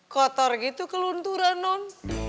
kotor gitu kelunturan non